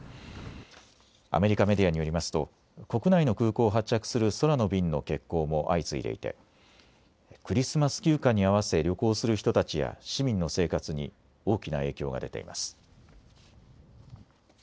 アメリカメディアによりますと国内の空港を発着する空の便の欠航も相次いでいてクリスマス休暇に合わせ旅行する人たちや市民の生活に大きな影響が出ています。